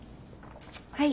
はい。